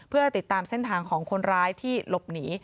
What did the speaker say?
เพื่อติดตามเส้นทางของคนร้ายที่หลบหนี